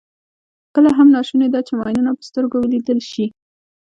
کله هم ناشونې ده چې ماینونه په سترګو ولیدل شي.